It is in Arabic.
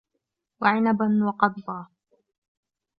وَعِنَبًا وَقَضبًا